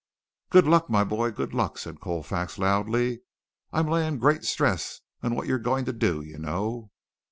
"Good luck, my boy. Good luck!" said Colfax loudly. "I'm laying great stress on what you're going to do, you know."